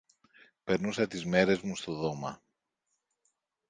Περνούσα τις μέρες μου στο δώμα